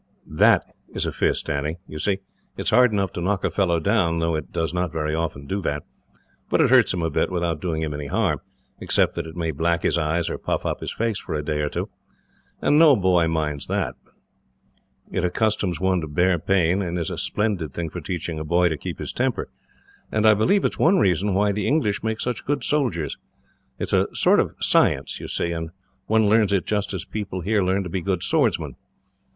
"That is a fist, Annie. You see, it is hard enough to knock a fellow down, though it does not very often do that; but it hurts him a bit, without doing him any harm, except that it may black his eyes or puff up his face for a day or two and no boy minds that. It accustoms one to bear pain, and is a splendid thing for teaching a boy to keep his temper, and I believe it is one reason why the English make such good soldiers. It is a sort of science, you see, and one learns it just as people here learn to be good swordsmen.